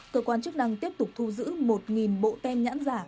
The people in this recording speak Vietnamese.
cơ quan chức năng tiếp tục thu giữ một bộ tem nhãn giả